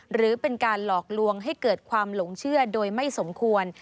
หรือเป็นการหลอกลวงให้เกิดความหลงเชื่อโดยไม่สมควร